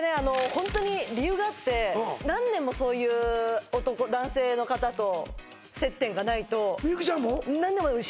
ホントに理由があって何年もそういう男男性の方と接点がないと幸ちゃんも？